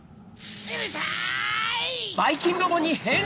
うるさい！